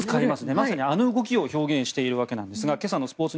まさにあの動きを表現しているわけなんですが今朝のスポーツ